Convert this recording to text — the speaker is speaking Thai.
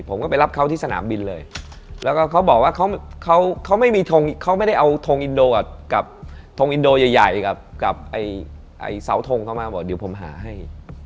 ผมก็ไปรับเขาที่สนามบินเลยแล้วก็เขาบอกว่าเขาไม่มีทงเขาไม่ได้เอาทงอินโดกับทงอินโดใหญ่กับเสาทงเขามาบอกเดี๋ยวผมหาให้